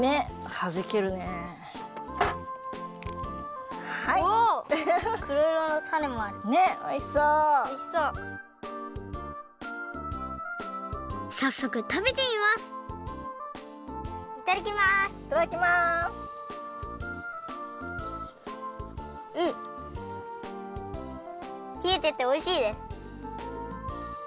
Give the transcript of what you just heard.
ひえてておいしいです。